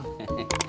udah pulang mak